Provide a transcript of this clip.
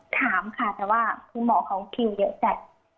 ถามค่ะแต่ว่าคุณหมอเขาคิวเยอะจัด